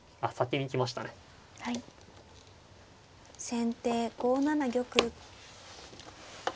先手５七玉。